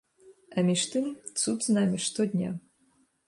А між тым, цуд з намі штодня.